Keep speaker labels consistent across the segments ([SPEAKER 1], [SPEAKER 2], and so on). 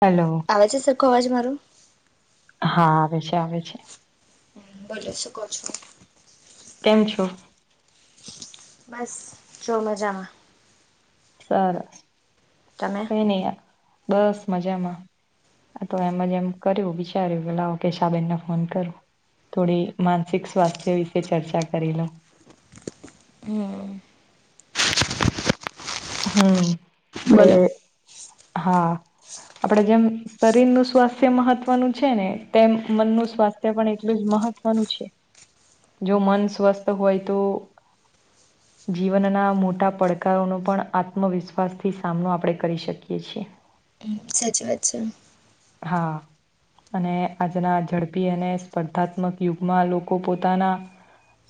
[SPEAKER 1] Hello.
[SPEAKER 2] આવે છે સરખું અવાજ મારો.
[SPEAKER 1] હા આવે છે આવે છે.
[SPEAKER 2] બોલો શું કહો છો.
[SPEAKER 1] કેમ છો.
[SPEAKER 2] બસ છો મજામાં.
[SPEAKER 1] સરસ
[SPEAKER 2] તમે?
[SPEAKER 1] કઈ નહીં યાર બસ મજામાં. તો એમજ એમ કર્યું વિચાર્યું લાવો કે કેસાબેનને ફોન કરું થોડી માનસિક સ્વાસ્થ્ય વિશે ચર્ચા કરી લો
[SPEAKER 2] હા
[SPEAKER 1] હમ આપડે હા આપડે જેમ શરીર નું સ્વાસ્થ્ય મહત્વનું છે ને તેમ મનનું સ્વાસ્થ્ય પણ એટલું જ મહત્વ કોનું છે જો મન સ્વસ્થ હોય તો જીવનના મોટા પડકારોનો પણ. આત્મવિશ્વાસથી સામનો આપણે કરી શકીએ છીએ.
[SPEAKER 2] સાચી વાત છે.
[SPEAKER 1] હા. અને આજના ઝડપી અને સ્પર્ધાત્મક યુગમાં લોકો પોતાના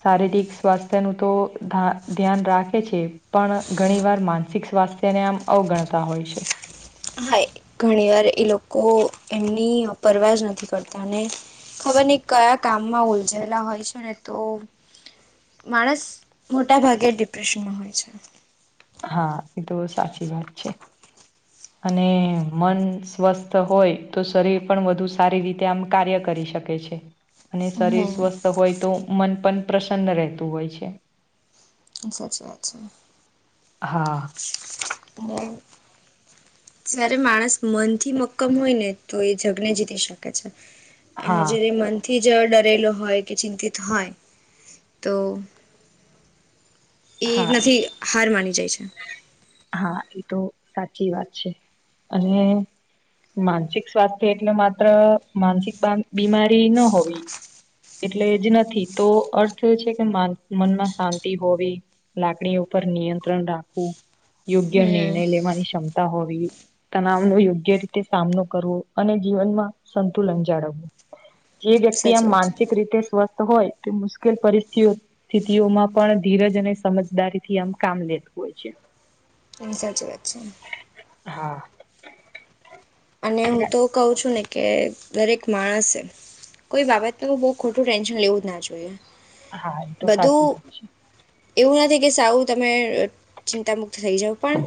[SPEAKER 1] શારીરિક સ્વાસ્થ્ય નું તો ધા ધ્યાન રાખે છે પણ ઘણી વાર માનસિક સ્વાસ્થ્યને આમ અવગણતા હોય છે.
[SPEAKER 2] હા ઘણી વાર એ લોકો એમની પરવાજ નથી કરતા અને ખબર નહી કયા કામમાં ઉલજેલા હોય છે ને તો માણસ મોટાભાગે ડિપ્રેશનમાં હોય છે
[SPEAKER 1] હા એ તો બ સાચી વાત છે. અને મન સ્વસ્થ હોય તો શરીર પણ વધુ સારી રીતે આમ કાર્ય કરી શકે છે. અને શરીર
[SPEAKER 2] હમ્મ
[SPEAKER 1] સ્વસ્થ હોય તો મન પણ પ્રસન્ન રહેતું હોય છે.
[SPEAKER 2] સાચી વાત છે.
[SPEAKER 1] હા.
[SPEAKER 2] હમ જારે માણસ મનથી મક્કમ હોય ને તો એ જગ ને જીતી શકે છે
[SPEAKER 1] હા
[SPEAKER 2] જ્યારે મનથી જ ડરેલો હોય કે ચિંતિત હોય તો એ
[SPEAKER 1] હા
[SPEAKER 2] નથી હાર માની જાય છે.
[SPEAKER 1] હા એ તો સાચી વાત છે અને માનસિક સ્વાસ્થ્ય એટલે માત્ર માનસિક બીમારી ન હોવી- એટલે જ નથી તો અર્થ છે કે મ મનમાં શાંતિ હોવી. લાકડી ઉપર નિયંત્રણ રાખવું. યોગ્ય નિર્ણય
[SPEAKER 2] હમ
[SPEAKER 1] લેવાની ક્ષમતા હોવી. તણવ નો યોગ્ય રીતે સામનો કરવો અને જીવનમાં સંતુલન જાળવવું. જે વ્યક્તિ આમ
[SPEAKER 2] સાચી વાત છે
[SPEAKER 1] માનસિક રીતે સ્વસ્થ હોય તે મુશ્કેલ પરિસ્થિતઓ સ્થિતિઓમાં પણ ધીરજ અને સમજદારી થી આમ કામ લેતું હોય છે.
[SPEAKER 2] એ સાચી વાત છે.
[SPEAKER 1] હા.
[SPEAKER 2] અને હું તો કઉ છું ને કે દરેક માણસે કોઈ બાબત તો બઉ ખોટું ટેન્શન લેવું જ ના જોઈએ
[SPEAKER 1] હા એ તો સાચી
[SPEAKER 2] બધું
[SPEAKER 1] વાત છે.
[SPEAKER 2] એવું નથી કે સાવું તમે ચિંતા મુક્ત થઇ જાાવ પણ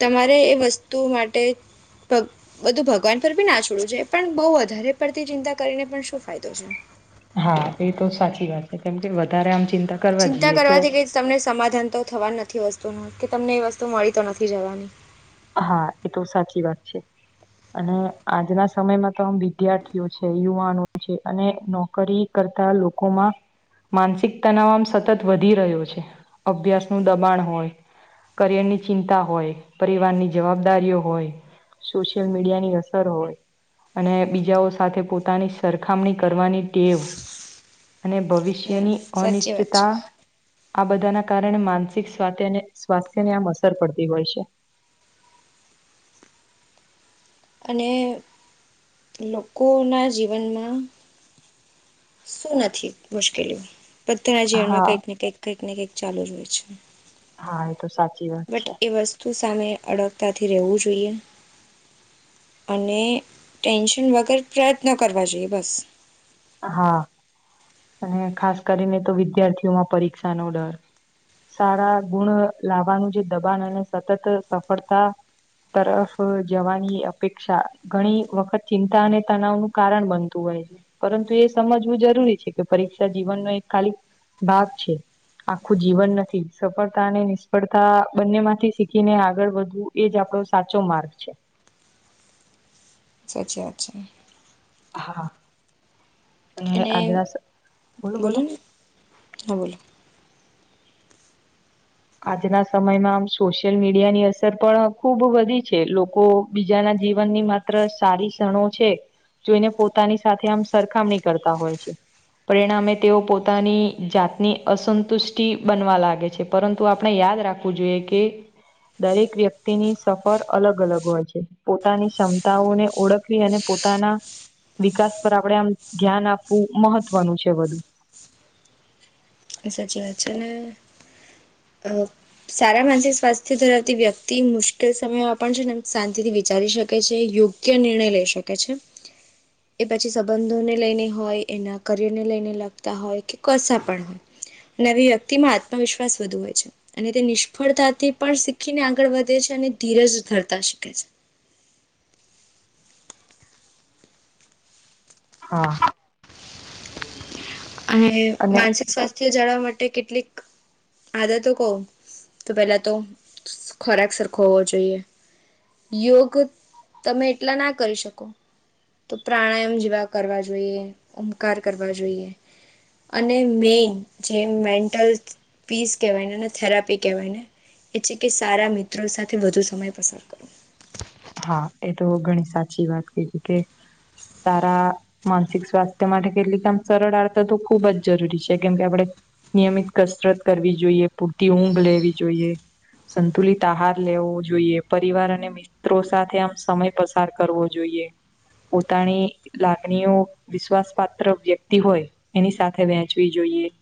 [SPEAKER 2] તમારે એ વસ્તુ માટે બધું ભગવાન પર બી ના છોડું છે પણ બહુ વધારે પડતી ચિંતા કરીને પણ શું ફાયદો છે.
[SPEAKER 1] હા એ તો સાચી વાત છે કેમ કે વધારે આમ ચિંતા કરવા
[SPEAKER 2] ચિંતા
[SPEAKER 1] જઈએ તો
[SPEAKER 2] કરવાથી કઈ તમને સમાધાન તો થવા નથી વસ્તુ ન કે તમને એ વસ્તુ મળી તો નથી જવાની.
[SPEAKER 1] હા એ તો સાચી વાત છે. અને આજના સમયમાં તો આમ વિદ્યાર્થીઓ છે યુવાનો છે અને નોકરી કરતા લોકોમાં માનસિક તનાવમ સતત વધી રહ્યો છે અભ્યાસ નું દબાણ હોય કરિયર ની ચિંતા હોય. પરિવાર ની જવાબદારીઓ હોય સોશિયલ મીડિયાની અસર હોય અને બીજાઓ સાથે પોતાની સરખામણી કરવાની ટેવ. અને
[SPEAKER 2] હમ
[SPEAKER 1] ભવિષ્યની
[SPEAKER 2] સાચી વાત
[SPEAKER 1] અનિશ્ચતા
[SPEAKER 2] છે.
[SPEAKER 1] આ બધાના કારણે માનસિક સ્વા અને સ્વાસ્થ્ય ને આમ અસર પડતી હોય છે
[SPEAKER 2] અને લોકોના જીવનમાં શું નથી મુશ્કેલીઓ બધાના જીવન માં
[SPEAKER 1] હા.
[SPEAKER 2] કંઈક ને કઈક કંઈક ને કંઈક ચાલુ જ હોય છે
[SPEAKER 1] હા તો સાચી વાત
[SPEAKER 2] બટ
[SPEAKER 1] છે.
[SPEAKER 2] એ વસ્તુ સામે અડગતાથી રહેવું જોઈએ અને ટેન્શન વગર પ્રયત્નો કરવા જોઈએ બસ
[SPEAKER 1] હા અને ખાસ કરીને તો વિદ્યાર્થીઓમાં પરીક્ષાનોો ડર સારા ગુણ લાવવાનું જે દબાણ અને સતત સફળતા તરફ જવાની અપેક્ષા ઘણી વખત ચિંતા અને તનાાવનું કારણ બનતું હોય છે પરંતુ એ સમજવું જરૂરી છે કે પરીક્ષા જીવનનો એક ખાલી ભાગ છે આખું જીવન નથી સફળતા અને નિષ્ફળતા બંને માંથી શીખીને આગળ વધવું એજ આપડો સાચો માર્ગ છે
[SPEAKER 2] સાચી વાત છે
[SPEAKER 1] હા અને આદ્રાસ બોલો બોલો
[SPEAKER 2] હા બોલો
[SPEAKER 1] આજના સમયમાં આમ સોશિયલ મીડિયાની અસર પણ ખુબ વધી છે લોકો બીજાના જીવન ની મા મા સારી કષણો છે જોઈને પોતાની સાથે આમ સરખામણી કરતા હોય છે પરિણામે તેઓ પોતાની જાતની અસંતુષ્ટિ બનવા લાગે છે પરંતુ આપણે યાદ રાખવું જોઈએ કે દરેક વ્યક્તિની સફર અલગ અલગ હોય છે પોતાની ક્ષમતાઓને ઓળખવી અને પોતાના વિકાસ પર આપણેે આમ ધ્યાન આપવું મહત્વનું છે બધું
[SPEAKER 2] સાચી વાત છે ને અ સારા માનસિક સ્વાસ્થ્ય ધરાવતી વ્યક્તિ મુશ્કેલ સમયમાં પણ છે ને શાંતિથી વિચારી શકે છે યોગ ક્ય નિર્ણય લઇ શકે છે
[SPEAKER 1] [inaudible] [unintelligible]
[SPEAKER 2] એ પછી સંબંધોને લઈને હોય એના કરિયરને લઈને લખતા હોય કે કશા પણ હોય નવી વ્યક્તિ માં આત્મવિશ્વાસ વધુ હોય છે અને તે નિષ્ફળતાથી પણ શીખીને આગળ વધે છે અને ધીરજ ધરતા શીખે છે
[SPEAKER 1] હા
[SPEAKER 2] અને માનસિક સ્વાસ્થ્ય જાળવા માટે કેટલીક આદર તો કહ તો પેલા તો ખોરાક સરખો હોવો જોઈએ યોગ તમે એટલા ના કરી શકો તો પ્રાણાયામ જેવા કરવા જોઈએ ઓમકાર કરવા જોઈએ અને મેન જેમ મેન્ટલ પીસ કહેવાયને અને થેરાપી કહેવાય ને એ છે કે સારા મિત્રો સાથે વધુ સમય પસાર કરો
[SPEAKER 1] હા એ તો ઘણી સાચી વાત ક કે સારા માનસિક સ્વાસ્થ્ય માટે કેટલી કે આમ સરળ આડ તો તો ખુબ જ જરૂરી છે કેમ કે આપડ નિયમિત કસરત કરવી જોઈએ પૂરતી ઊંઘ લેવી જોઈએ સંતુલિત આહાર લેવો જોઈએ પરિવાર અને મિત મિત્રો સાથે આમ સમય પસાર કરવો જોઈએ પોતાની લાગણીઓ વિશ્વાસ પાાત્ર વ્યક્તિ હોય એની સાથે વેંચવી જોઈએ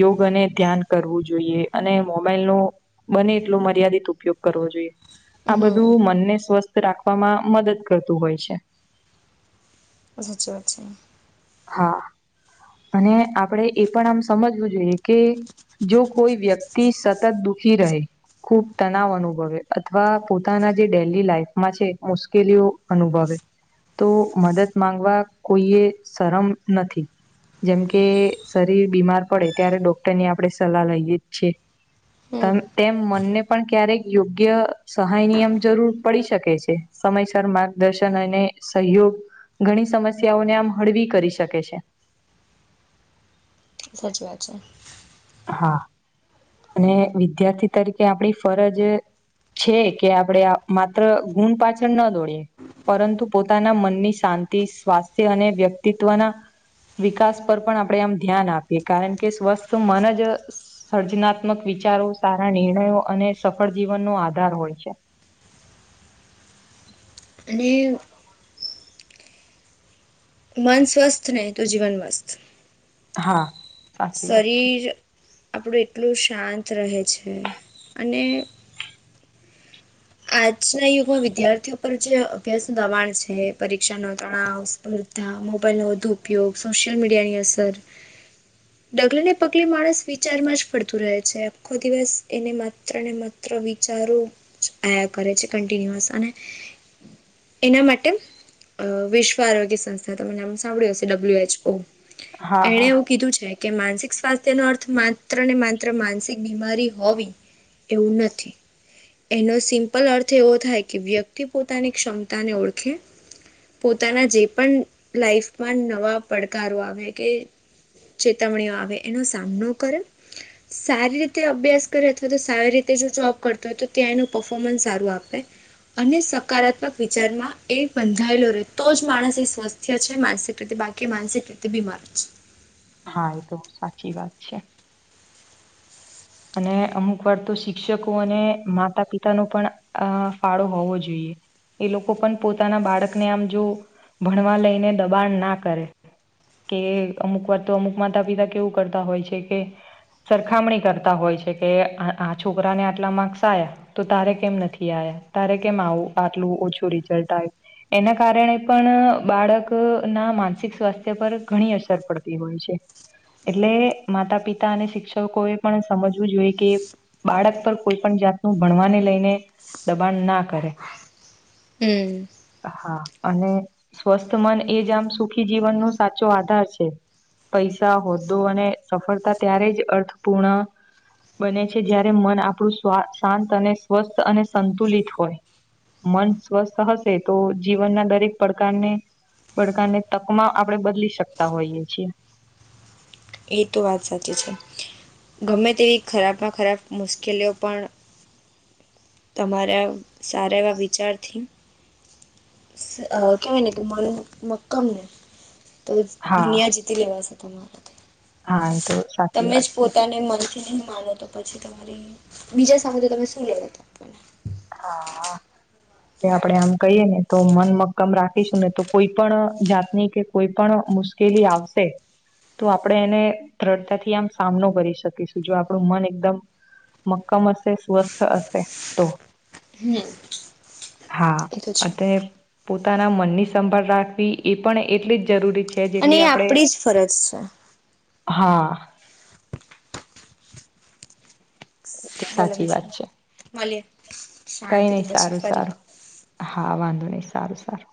[SPEAKER 1] યોગ અને ધ્યાન કરવું જોઈએ અને મોબાઈલ ન બને એટલો મર્યાદિત ઉપયોગ કરવો જોઈએ આ
[SPEAKER 2] હમ
[SPEAKER 1] બધું મનને સ્વસ્થ રાખવામાં મદદ કરતું હોય છે
[SPEAKER 2] બ સાચી વાત છે
[SPEAKER 1] હા અને આપણે એ પણ આમ સમજવું જોઈએ કે જો કોઈ વ્યક્તિ સતત દુઃખી રહે ખુબ તનાવ અનુભવે અથવા પોતાના જે ડેલી લાઈફમાં છે મુશ્કેલીઓ અનુભવે તો મદદ માંગવા કોઈએ શરમ નથી જેમકે શરીર બીમાર પડે ત્યારે ડોક્ટર ની આપણે સલાહ લઈએ જ છીએ
[SPEAKER 2] હમ
[SPEAKER 1] તેમ મનને પણ ક્યારેક યોગ્ય સહાય નિમ જરૂર પડી શકે છે સમયસર માર્ગદર્શન અને સહયોગ ઘણી સમસ્યાઓને આમ હળવી કરી શકે છે
[SPEAKER 2] સાચી વાત છે
[SPEAKER 1] હા અને વિદ્યાર્થી તરીકે આપણી ફરજ છે કે આપણેે માત્ર ગુણ પાછળ ન દોડીએ પરંતુ પોતાના મનની શાંતિ સ્વાસ્થ્ય અને વ્યક્તિત્વના વિકાસ પર પણ આપણે આમ ધ્યાન આપીએ કારણ કે સ્વસ્થ મન જ સર્જનાત્મક વિચારો સારા નિર્ણયો અને સફળ જીવનનોો આધાર હોય છે
[SPEAKER 2] અને મન સ્વસ્થ ને તો જીવન મસ્ત
[SPEAKER 1] હા સાચી વાત છે
[SPEAKER 2] શરીર આપણું એટલું શાંત રહે છે અને આજના યુગમાં વિદ્યાર્થીઓ પર જે અભ્યાસ નું દબાણ છે પરીક્ષા નો તણાવ સ્પર્ ત મોબાઈલનો વધુ ઉપયોગ સોશિયલ મીડિયાની અસર
[SPEAKER 1] [inaudible]
[SPEAKER 2] ડગલે ને પગલે માણસ વિચારમાં જ પડતું રહે છે આખો દિવસ એને માત્ર ને પત્ર વિચારો જ કરે છે કન્ટિન્યુઅસ અને એના માટે વિશ્વ આરોગ્ય સંસ્થા તમે નામ સાંભળ્યું હશે ડબલ્યુ એચ ઓ
[SPEAKER 1] હા
[SPEAKER 2] એને
[SPEAKER 1] હા
[SPEAKER 2] કીધું છે કે માનસિક સ્વાસ્થ્ય નો અર્થ માત્ર ને માત્ર માનસિક બીમારી હોવી એવું નથી એનો સિમ્પલ અર્થ એવો થાય કે વ્યક્તિ પોતાની ક્ષમતાને ઓળખે પોતાના જે પણ લાઈફમાં નવા પડકારો આવે કે ચેતવણીઓ આવે એનો સામનો કરે સારી રીતે અભ્યાસ કરે અથવા તો સારી રીતે જો જોબ કરતો હોય તો કે એનું પર્ફોર્મન્સ સારું આપે અને સકારાત્મક વિચારમાં એ બંધાયેલો રહે તો જ માણસ એ સ્વસ્થ છે માનસિક રીતે બાકી માનસિક રીતે બીમાર છે
[SPEAKER 1] હા એ તો સાચી વાત છે અને અમુક વાર તો શિક્ષકો અને માતા પિતા ન પણ અ ફાળો હોવો જોઈએ એ લોકો પણ પોતાના બાળકને આમ જો ભણવા લઈને દબાણ ના કરે કે અમુક વાર તો અમુક માતા પિતા કેવું કરતા હોય છે કે સરખામણી કરતા હોય છે કે આ છોકરાને આટલા માર્ક્સ આયા તો તારે કેમ નથી આ્યા તારે કેમ આવું આટલું ઓછું રિઝલ્ટ આવ એના કારણે પણ બાળક ના માનસિક સ્વાસ્થ્ય પર ઘણી અસર પડતી હોય છે એટલે માતા પિતા અને શિક્ષકોએ પણ સમજવું જોઈએ કે બાળક પર કોઈ પણ જાતનું ભણવાને લઈને દબાણ ના કરે.
[SPEAKER 2] હમ.
[SPEAKER 1] હા, અને સ્વસ્થ મન એ જ આમ સુખી જીવનનોો સાચો આધાર છે. પૈસા હોદ્દો અને સફળતા ત્યારે જ અર્થપૂર્ણ બને છે જય્યારે મન આપણું શાંત અને સ્વસ્થ અને સંતુલિત હોય. મન સ્વસ્થ હશે તો જીવનના દરેક પડકારને પડકારને તકમાં આપણેે બદલી શકતા હોઈએ છીએ.
[SPEAKER 2] એ તો વાત સાચી છે. ગમે તેવી ખરાબમાં ખરાબ મુશ્કેલીઓ પણ તમારા સારા એવા વિચારથી કેયને કે મા મક્કમને તો
[SPEAKER 1] હા
[SPEAKER 2] દુનિયા જીતી લેવાશે તમારાથી,
[SPEAKER 1] હા એ તો સાચી
[SPEAKER 2] તમે જ
[SPEAKER 1] વાત છે.
[SPEAKER 2] પોતાને મન માનો તો પછી તમારી બીજા સમબે તમે શું લે હતા? પણ [unintelligible]
[SPEAKER 1] હા [unintelligible] આપડે આમ કહીએ ને તો મન મક્કમ રાખીશું ને તો કોઈ પણ જાતની કે કોઈ પણ મુશ્કેલી આવશે. તો આપણે એને દ્રઢતાથી આમ સામનો કરી શકીશું જો આપણું મન એકદમ મક્કમ અશે સ્વર્થ અશે તો.
[SPEAKER 2] હમ.
[SPEAKER 1] હા,
[SPEAKER 2] એ તો છે
[SPEAKER 1] અને પોતાના મનની સંભાળ રાખવી એ પણ એટલી જ જરૂરી છે.
[SPEAKER 2] અને
[SPEAKER 1] જેટલી
[SPEAKER 2] એ આપણી
[SPEAKER 1] આપણે
[SPEAKER 2] જ ફરજ છે.
[SPEAKER 1] હા. એ તો
[SPEAKER 2] બોલો
[SPEAKER 1] સાચી
[SPEAKER 2] બીજ
[SPEAKER 1] વાત છે
[SPEAKER 2] મળએ
[SPEAKER 1] કઈ નહી
[SPEAKER 2] શાંતિથી પછી
[SPEAKER 1] સારું
[SPEAKER 2] ફરી.
[SPEAKER 1] સારું હા વાંધો નહી સારું સારું.